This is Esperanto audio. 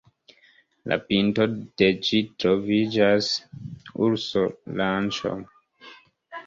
La pinto de ĝi troviĝas urso-ranĉo.